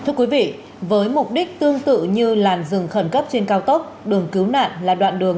thưa quý vị với mục đích tương tự như làn rừng khẩn cấp trên cao tốc đường cứu nạn là đoạn đường